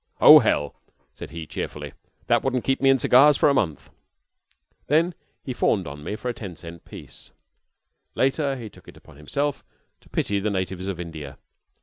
"Oh, hell!" said he, cheerfully, "that wouldn't keep me in cigars for a month." Then he fawned on me for a ten cent piece. Later he took it upon himself to pity the natives of India.